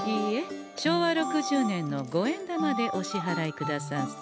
昭和６０年の五円玉でお支払いくださんせ。